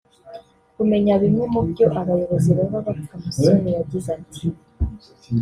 Kumenya bimwe mu byo abayobozi baba bapfa Musoni yagize ati